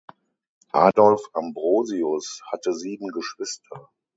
Adolph Ambrosius hatte sieben Geschwister.